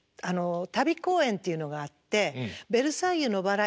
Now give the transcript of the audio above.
旅公演っていうのがあって「ベルサイユのばら」